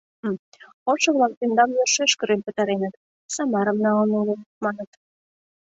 Ошо-влак тендам йӧршеш кырен пытареныт, Самарым налын улыт, маныт...